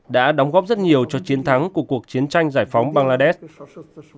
đã đóng góp rất nhiều cho chiến thắng của cuộc chiến tranh giải phóng bangladesh